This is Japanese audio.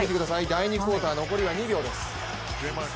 第２クオーター残り２秒です。